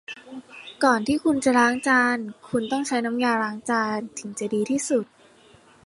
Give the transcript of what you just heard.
ถ้าคุณกำลังจะล้างจาน คุณต้องใช้น้ำยาล้างจานถึงจะดีที่สุด